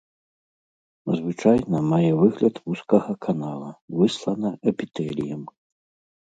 Звычайна мае выгляд вузкага канала, выслана эпітэліем.